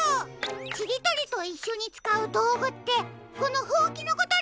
ちりとりといっしょにつかうどうぐってこのほうきのことですか？